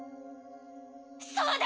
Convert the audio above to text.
そうだ！